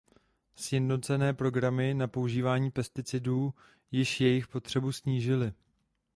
Sjednocené programy na používání pesticidů již jejich potřebu snížily.